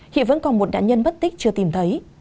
hiện vẫn còn một đạn nhân bất tích chưa tìm thấy